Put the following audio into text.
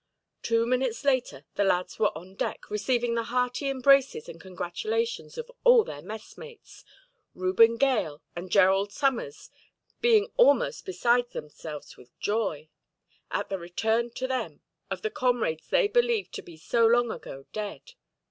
Two minutes later, the lads were on deck receiving the hearty embraces and congratulations of all the messmates; Reuben Gale and Gerald Summers being almost beside themselves with joy, at the return to them of the comrades they believed to be so long ago dead.